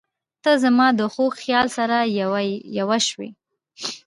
• ته زما د خوږ خیال سره یوه شوې.